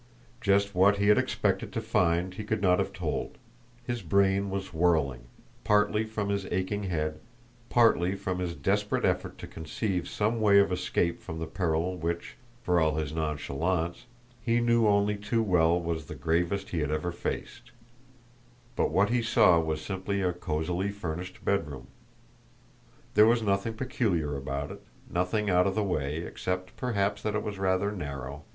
Just what he had expected to find he could not have told; his brain was whirling, partly from his aching head, partly from his desperate effort to conceive some way of escape from the peril which, for all his nonchalance, he knew only too well was the gravest he had ever faced; but what he saw was simply a cozily furnished bedroom. There was nothing peculiar about it; nothing out of the way, except perhaps that it was rather narrow.